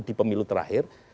di pemilu terakhir